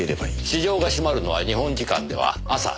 市場が閉まるのは日本時間では朝６時。